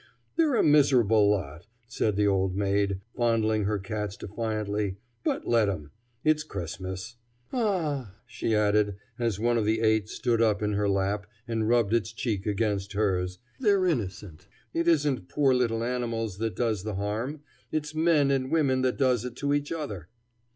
"They're a miserable lot," said the old maid, fondling her cats defiantly; "but let 'em. It's Christmas. Ah!" she added, as one of the eight stood up in her lap and rubbed its cheek against hers, "they're innocent. It isn't poor little animals that does the harm. It's men and women that does it to each other."